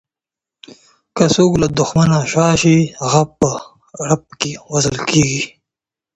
که څوک له دښمنه شا شي، هغه په رپ کې وژل کیږي.